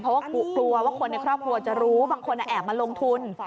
เพราะว่ากลัวว่าคนในครอบครัวจะรู้บางคนแอบมาลงทุน